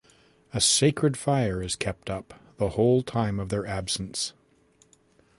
A sacred fire is kept up the whole time of their absence.